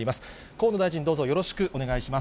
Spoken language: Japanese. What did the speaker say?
河野大臣、どうぞよろしくお願いします。